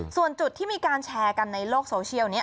ส่วนจุดที่มีการแชร์กันในโลกโซเชียลนี้